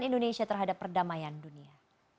indonesia terhadap perdamaian dunia